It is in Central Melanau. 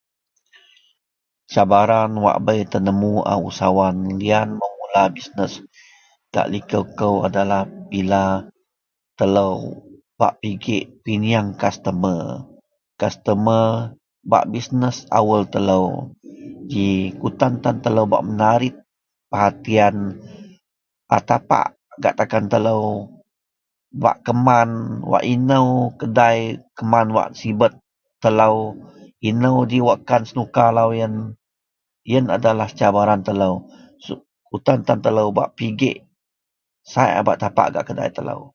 Cabaran wak bei tenemu a usahawan liyan memula bisnes gak liko kou adalah bila telo bak pigek pinyeang kustoma kustoma bak bisnes awel telo ji kutan tan telo bak menariek perhatiyan a tapak gak takan telo bak keman wak ino kedai keman wak sibet telo ino ji wakkan senuka loyen iyen adalah cabaran telo kutan tan telo bak pigek sai a bak tapak gak kedai telo.